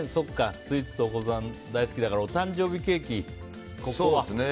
スイーツとお子さんが大好きだからお誕生日ケーキこそは。